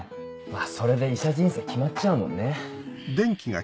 まぁそれで医者人生決まっちゃうもんね。